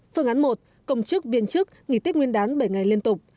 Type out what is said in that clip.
phương án một cộng chức viên chức nghỉ tết nguyên đán bảy ngày liên tục